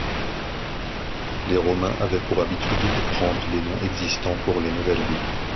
Les Romains avaient pour habitude de prendre des noms existants pour les nouvelles villes.